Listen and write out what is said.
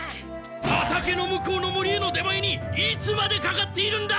畑の向こうの森への出前にいつまでかかっているんだ！